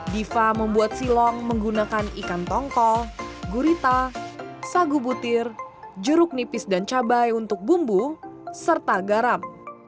diva membuat silong menggunakan ikan tongkol gurita sagu butir jeruk nipis dan cabai untuk bumbu serta garam